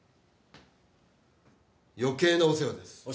余計なお世話です。